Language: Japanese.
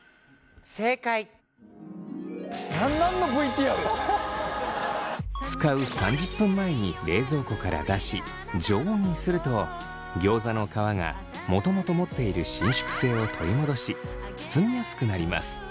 何のＶＴＲ？使う３０分前に冷蔵庫から出し常温にするとギョーザの皮がもともと持っている伸縮性を取り戻し包みやすくなります。